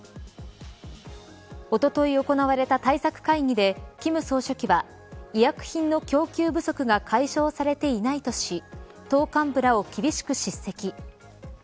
おととい行われた対策会議で金総書記は医薬品の供給不足が解消されていないとし党幹部らを厳しく叱責。